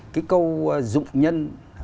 cái câu dụng nhân